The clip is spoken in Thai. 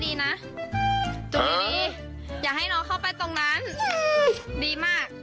ดีมากเกอร์จูงดีนะอย่าปล่อยให้น้องไปข้างนอก